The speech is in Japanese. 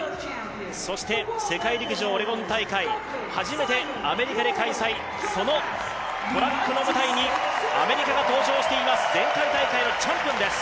そして世界陸上オレゴン大会、初めてアメリカで開催、そのトラックの舞台にアメリカが登場しています、前回大会のチャンピオンです。